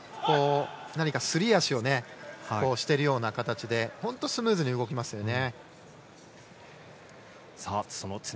すり足をしているような形で本当スムーズに動きますよね。